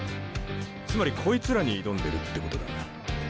つまりこいつらに挑んでるってことだ。